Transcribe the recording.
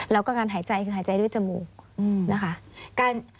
แล้วก็การหายใจคือหายใจด้วยจมูกนะคะ